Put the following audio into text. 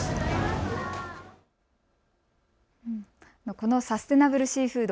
このサステナブルシーフード。